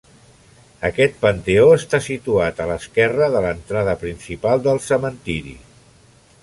Aquest panteó està situat a l'esquerra de l'entrada principal del cementiri.